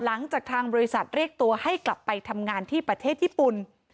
หลังจากทางบริษัทเรียกตัวให้กลับไปทำงานที่ประเทศญี่ปุ่น